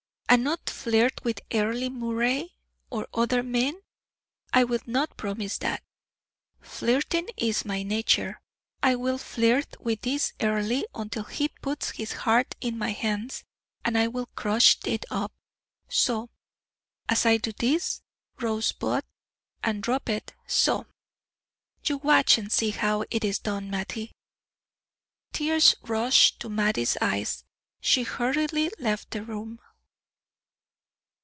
"And not flirt with Earle Moray? Or other men? I'll not promise that. Flirting is my nature. I will flirt with this Earle until he puts his heart in my hands, and I will crush it up so as I do this rosebud and drop it so! You watch and see how it is done, Mattie." Tears rushed to Mattie's eyes. She hurriedly left the room.